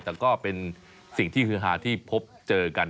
แต่ก็เป็นสิ่งที่ฮือฮาที่พบเจอกัน